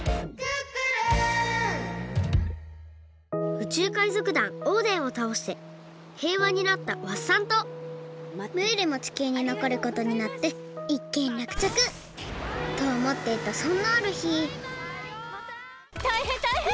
宇宙海賊団オーデンをたおしてへいわになったワッサン島ムールも地球にのこることになっていっけんらくちゃく！とおもっていたそんなあるひたいへんたいへん！